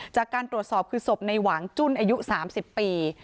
จากการตรวจสอบคือศพในหวังจุ้นอายุ๓๐ปี